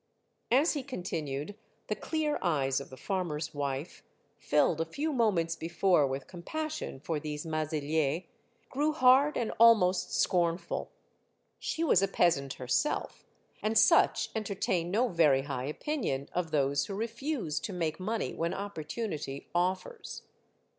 As he continued, the clear eyes of the farmer's wife, filled a few moments before with compassion for these Maziliers, grew hard and almost scornful. She was a peasant herself, and such entertain no very high opinion of those who refuse to make money when opportunity offers.